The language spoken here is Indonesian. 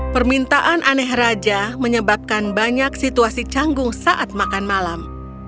permintaan aneh raja menyebabkan banyak situasi canggung saat makan malam